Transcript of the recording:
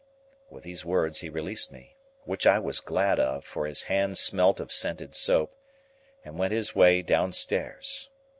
With those words, he released me—which I was glad of, for his hand smelt of scented soap—and went his way downstairs.